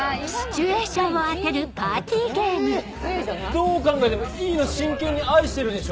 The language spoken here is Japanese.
どう考えてもＥの「真剣に愛してる」でしょ！